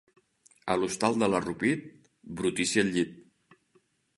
A l'hostal de l'Arrupit, brutícia al llit.